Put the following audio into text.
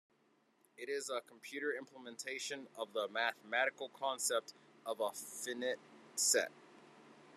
It is a computer implementation of the mathematical concept of a finite set.